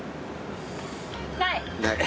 ない。